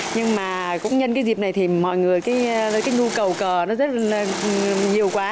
nhưng mà cũng nhân cái dịp này thì mọi người cái nhu cầu cờ nó rất là nhiều quá